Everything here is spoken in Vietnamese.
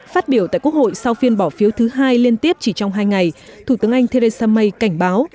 phát biểu tại quốc hội sau phiên bỏ phiếu thứ hai liên tiếp chỉ trong hai ngày thủ tướng anh theresa may cảnh báo